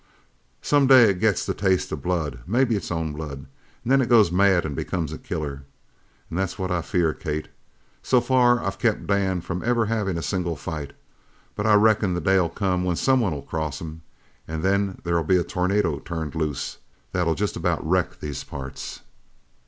Some day it gets the taste of blood, maybe its own blood, an' then it goes mad and becomes a killer. An' that's what I fear, Kate. So far I've kept Dan from ever havin' a single fight, but I reckon the day'll come when someone'll cross him, and then there'll be a tornado turned loose that'll jest about wreck these parts."